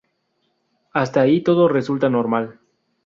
Hasta ahí todo resulta normal.